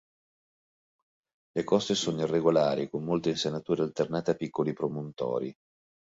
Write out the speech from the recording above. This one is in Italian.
Le coste sono irregolari, con molte insenature alternate a piccoli promontori.